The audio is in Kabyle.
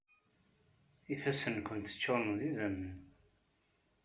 Ifassen-nkent ččuṛen d idammen.